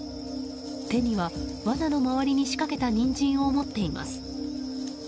手には、わなの周りに仕掛けたニンジンを持っています。